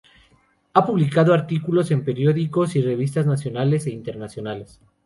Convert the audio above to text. Ha publicado artículos en periódicos y revistas, nacionales e internacionales.